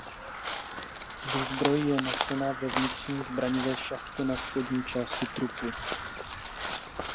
Výzbroj je nesena ve vnitřní zbraňové šachtě na spodní části trupu.